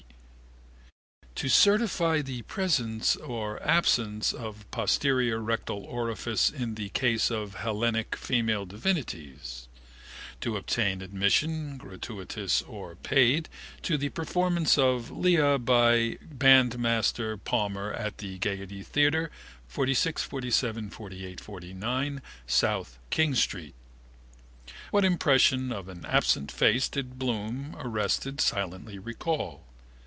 C.): to certify the presence or absence of posterior rectal orifice in the case of Hellenic female divinities: to obtain admission (gratuitous or paid) to the performance of Leah by Mrs Bandmann Palmer at the Gaiety Theatre, 46, 47, 48, 49 South King street. What impression of an absent face did Bloom, arrested, silently recall?